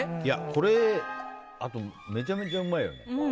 これめちゃめちゃうまいよね。